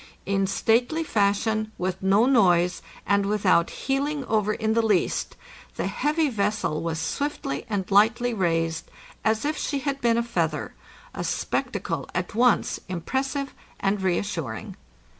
In_ stately fashion, with no noise, and without heeling over in the least, the heavy vessel was swiftly and lightly raised, as if she had been a feather — a spectacle at once impres sive and reassuring.